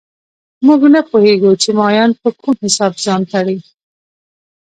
موږ نه پوهېږو چې مایان په کوم حساب ځان تړي